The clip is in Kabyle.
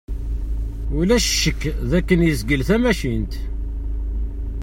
Ulac ccekk d akken yezgel tamacint.